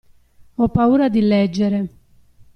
Ho paura di leggere.